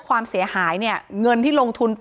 อ๋อเจ้าสีสุข่าวของสิ้นพอได้ด้วย